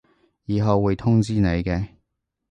以後會通知你嘅